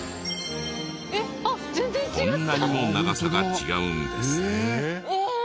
こんなにも長さが違うんです。